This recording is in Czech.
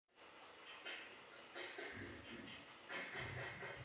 Jsme v tomto ohledu na správné cestě?